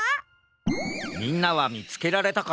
みんなはみつけられたかな？